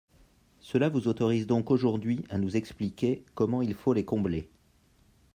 Cela vous autorise donc aujourd’hui à nous expliquer comment il faut les combler.